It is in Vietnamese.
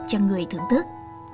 cho người thưởng thức